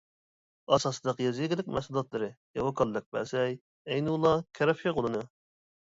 ئاساسلىق يېزا ئىگىلىك مەھسۇلاتلىرى ياۋا كاللەكبەسەي، ئەينۇلا، كەرەپشە غولىنى.